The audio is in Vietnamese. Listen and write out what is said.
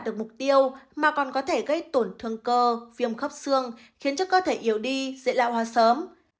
được mục tiêu mà còn có thể gây tổn thương cơ viêm khắp xương khiến cho cơ thể yếu đi dễ lạ hoa sớm